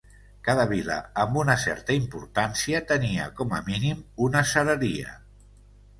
Cada vila amb una certa importància tenia, com a mínim, una cereria.